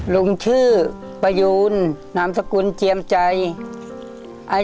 ลูกทุ่งสู้ชีวิต